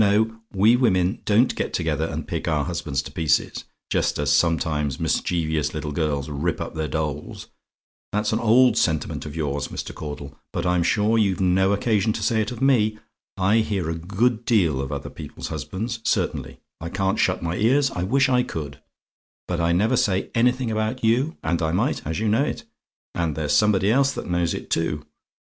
No, we women don't get together, and pick our husbands to pieces, just as sometimes mischievous little girls rip up their dolls. That's an old sentiment of yours, Mr. Caudle; but I'm sure you've no occasion to say it of me. I hear a good deal of other people's husbands, certainly; I can't shut my ears; I wish I could: but I never say anything about you, and I might, and you know it and there's somebody else that knows it, too.